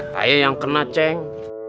saya yang kena ceng